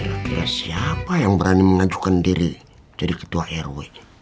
ya kira kira siapa yang berani mengajukan diri jadi ketua rw